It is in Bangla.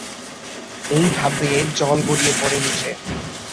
এই ধাপ বেয়ে জল গড়িয়ে পড়ে নিচে।